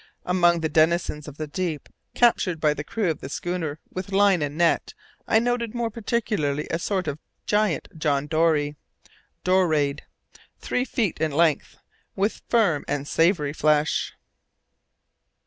Among the denizens of the deep, captured by the crew of the schooner with line and net, I noted more particularly a sort of giant John Dory(1) (dorade) three feet in length, with firm and savoury flesh.